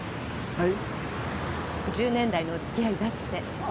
はい。